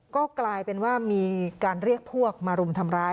ก็กลายเป็นว่ามีการเรียกพวกมารุมทำร้าย